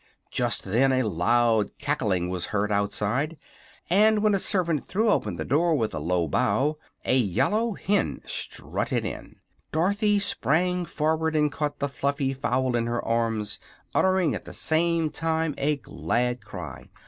Just then a loud cackling was heard outside; and, when a servant threw open the door with a low bow, a yellow hen strutted in. Dorothy sprang forward and caught the fluffy fowl in her arms, uttering at the same time a glad cry.